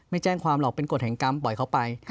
ไม่แจ้งความหรอกเป็นกฎแห่งกรรมปล่อยเขาไป